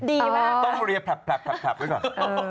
ดีมากต้องเรียแผลบไว้ก่อน